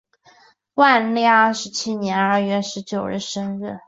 万历二十七年二月十九日生。